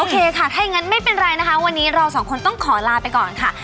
ค่ะถ้าอย่างนั้นไม่เป็นไรนะคะวันนี้เราสองคนต้องขอลาไปก่อนค่ะ